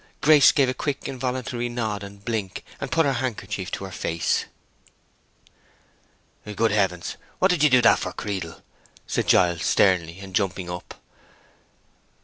Grace gave a quick, involuntary nod and blink, and put her handkerchief to her face. "Good heavens! what did you do that for, Creedle?" said Giles, sternly, and jumping up.